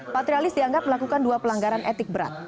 patrialis dianggap melakukan dua pelanggaran etik berat